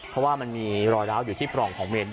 เพราะว่ามันมีรอยร้าวอยู่ที่ปล่องของเมนด้วย